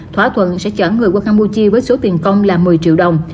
thỏa thuận sẽ chở người qua campuchia với số tiền công là một mươi triệu đồng